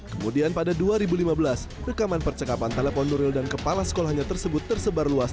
kemudian pada dua ribu lima belas rekaman percakapan telepon nuril dan kepala sekolahnya tersebut tersebar luas